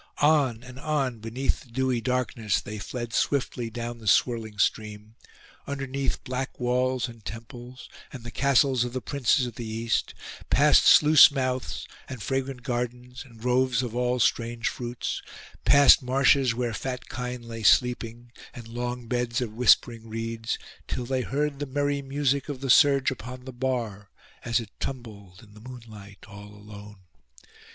On and on, beneath the dewy darkness, they fled swiftly down the swirling stream; underneath black walls, and temples, and the castles of the princes of the East; past sluice mouths, and fragrant gardens, and groves of all strange fruits; past marshes where fat kine lay sleeping, and long beds of whispering reeds; till they heard the merry music of the surge upon the bar, as it tumbled in the moonlight all alone.